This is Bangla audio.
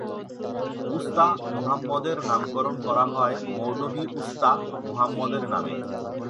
উস্তা মোহাম্মদের নামকরণ করা হয় মৌলভী উস্তা মোহাম্মদের নামে।